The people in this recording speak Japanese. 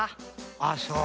ああそう。